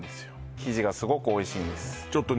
生地がすごくおいしいんですちょっとね